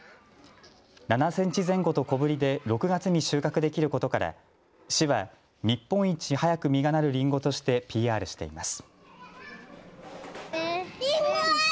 ７センチ前後と小ぶりで６月に収穫できることから市は日本一早く実がなるりんごとしてＰＲしています。